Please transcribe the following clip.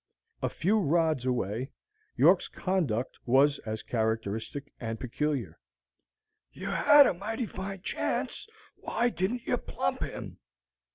A few rods away, York's conduct was as characteristic and peculiar. "You had a mighty fine chance; why didn't you plump him?"